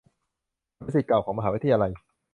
ฉันเป็นศิษย์เก่าของมหาวิทยาลัย